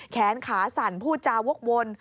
แขนขาสั่นพูดจาวกวน